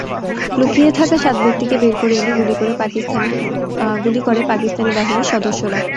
লুকিয়ে থাকা সাত ব্যক্তিকে বের করে এনে গুলি করে পাকিস্তানি বাহিনীর সদস্যরা।